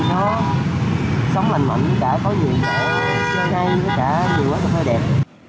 nó sống lành mạnh có nhiều người chơi hay có nhiều người thích hơi đẹp